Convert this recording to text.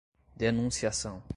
denunciação